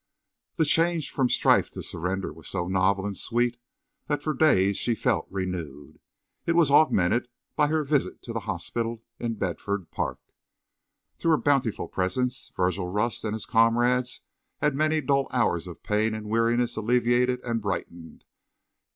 The change from strife to surrender was so novel and sweet that for days she felt renewed. It was augmented by her visits to the hospital in Bedford Park. Through her bountiful presence Virgil Rust and his comrades had many dull hours of pain and weariness alleviated and brightened.